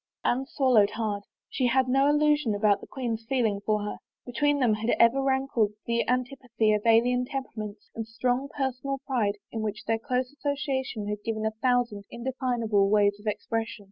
Anne swallowed hard. She had no illusion about the queen's feeling for her. Between them had ever rankled the antipathy of alien temperaments, and strong personal pride to v^hidi their close association had given a thousand indefinable ways of expression.